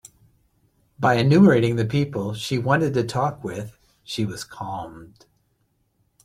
By enumerating the people she wanted to talk with, she was calmed.